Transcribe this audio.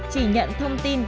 chỉ nhận thông tin